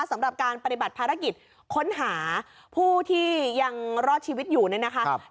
สำหรับการปฏิบัติภารกิจค้นหาผู้ที่ยังรอดชีวิตอยู่เนี่ยนะคะ